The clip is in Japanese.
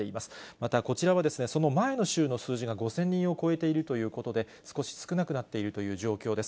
またこちらは、その前の週の数字が５０００人を超えているということで、少し少なくなっているという状況です。